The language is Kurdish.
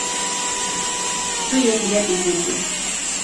Tu yê nebihîzî.